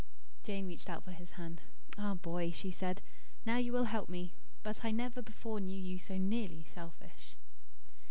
Jane reached out for his hand. "Ah, Boy," she said, "now you will help me. But I never before knew you so nearly selfish."